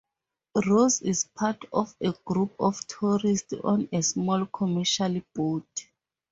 Rose is part of a group of tourists on a small commercial boat.